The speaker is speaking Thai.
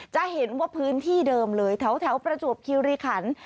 จะเห็นว่าพื้นที่เดิมเลยแถวประจวบคิริขัน